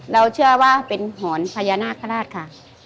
เราเชื่อว่าเป็นหอนพญานาคาราชค่ะ